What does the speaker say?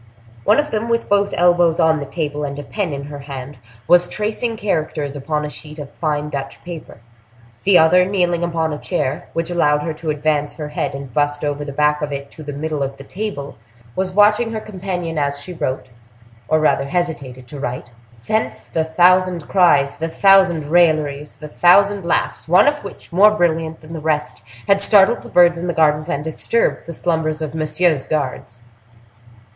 One of them, with both elbows on the table, and a pen in her hand, was tracing characters upon a sheet of fine Dutch paper; the other, kneeling upon a chair, which allowed her to advance her head and bust over the back of it to the middle of the table, was watching her companion as she wrote, or rather hesitated to write. Thence the thousand cries, the thousand railleries, the thousand laughs, one of which, more brilliant than the rest, had startled the birds in the gardens, and disturbed the slumbers of Monsieur's guards.